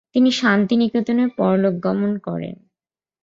তিনি শান্তিনিকেতনে পরলোকগমন করেন।